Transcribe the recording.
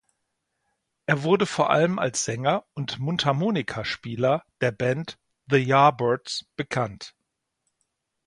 Er wurde vor allem als Sänger und Mundharmonikaspieler der Band The Yardbirds bekannt.